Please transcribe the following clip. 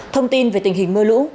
thông tin về tình hình mưa lũ